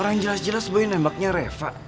barang jelas jelas boy nembaknya reva